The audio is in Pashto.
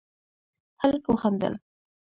هلک وخندل: